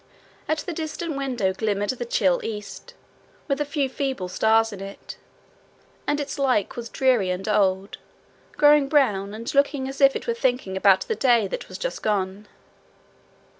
At the distant window glimmered the chill east, with a few feeble stars in it, and its like was dreary and old, growing brown, and looking as if it were thinking about the day that was just gone.